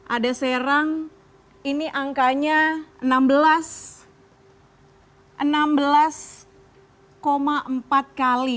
ada serang ini angkanya enam belas empat kali